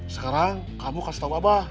sekarang kamu kasih tau abah ya